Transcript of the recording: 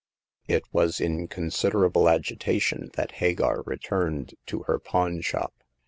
It was in considerable agitation that Hagar re turned to her pawn shop.